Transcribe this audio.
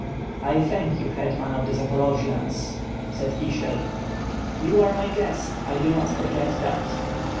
609 "I thank you, Hetman of the Zaporojians/' said Kisiel. "You are my guest, I do not forget that."